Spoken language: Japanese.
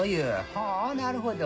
ほぉなるほど。